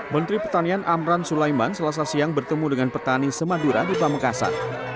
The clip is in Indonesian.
menteri pertanian amran sulaiman selasa siang bertemu dengan petani semadura di pamekasan